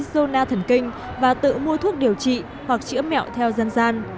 dô na thần kinh và tự mua thuốc điều trị hoặc chữa mẹo theo dân gian